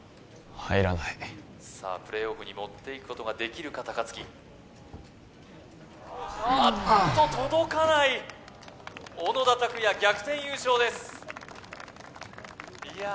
入らないさあプレイオフに持っていくことができるか高槻あっと届かない小野田拓也逆転優勝ですいや